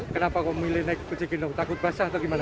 kenapa kamu milih naik ojek gendong takut basah atau gimana